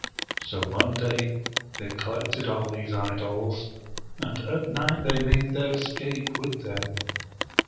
So one day they collected all these idols, and at night they made their escape with them.